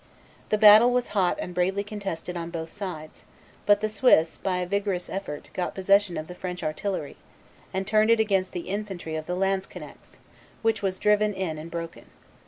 The battle was hot and bravely contested on both sides; but the Swiss by a vigorous effort got possession of the French artillery, and turned it against the infantry of the lanzknechts, which was driven in and broken.